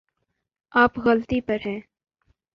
آپ غلطی پر ہیں